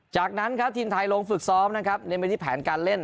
จากนั้นครับทีมไทยลงฝึกซ้อมนะครับเน้นไปที่แผนการเล่น